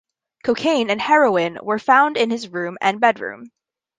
Cocaine and heroin were found in his home and bedroom.